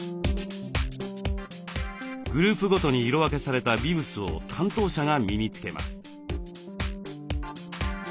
グループごとに色分けされたビブスを担当者が身につけます。